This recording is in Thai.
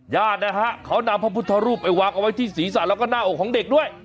ญาตินะฮะเขานำพระพุทธรูปไปวางเอาไว้ที่ศีรษะแล้วก็หน้าอกของเด็กด้วย